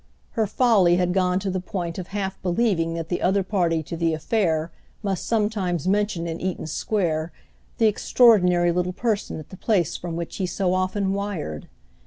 Her folly had gone to the point of half believing that the other party to the affair must sometimes mention in Eaton Square the extraordinary little person at the place from which he so often wired.